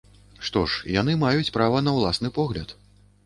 Што ж, яны маюць права на ўласны погляд.